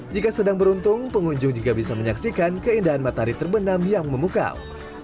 jika sedang beruntung pengunjung juga bisa menyaksikan keindahan matahari terbenam yang memukau